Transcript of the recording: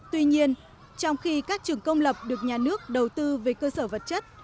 tuy nhiên trong khi các trường công lập được nhà nước đầu tư về cơ sở vật chất